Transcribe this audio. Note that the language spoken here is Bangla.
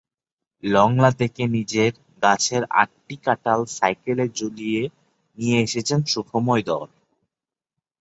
লংলা থেকে নিজের গাছের আটটি কাঁঠাল সাইকেলে ঝুলিয়ে নিয়ে এসেছেন সুখময় ধর।